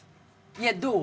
いやどう？